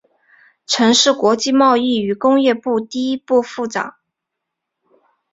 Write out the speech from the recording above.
曾是国际贸易与工业部第一副部长。